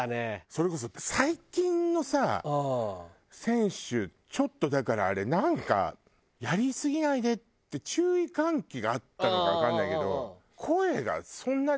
それこそ最近のさ選手ちょっとだからあれなんか「やりすぎないで」って注意喚起があったのかわかんないけど声がそんなでもなくなったよね。